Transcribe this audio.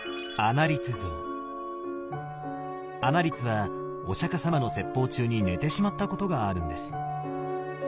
阿那律はお釈様の説法中に寝てしまったことがあるんです。